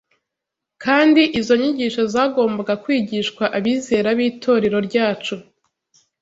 Kandi izo nyigisho zagombaga kwigishwa abizera b’itorero ryacu